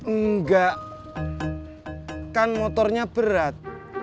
enggak kan motornya berat